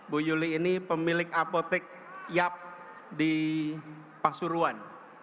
bu yuli ini pemilik apotek yap di pasuruan